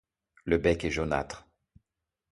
Le bec est jaunâtre.